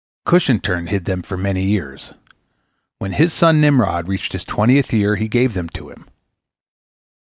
Cush in turn hid them for many years. When his son Nimrod reached his twentieth year, he gave them to him.